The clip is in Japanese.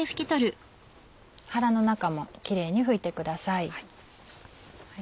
腹の中もキレイに拭いてください。